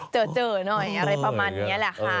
เจอหน่อยอะไรประมาณนี้แหละค่ะ